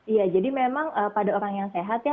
iya jadi memang pada orang yang sehat ya